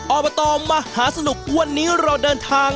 อบตมหาสนุกวันนี้เราเดินทาง